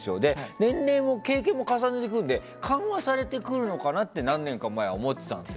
年齢も経験も重ねているので緩和されてくるのかなって何年か前は思ってたんですよ。